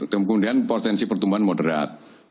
kemudian potensi pertumbuhan moderat